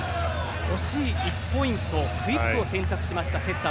欲しい１ポイントクイックを選択しましたセッター。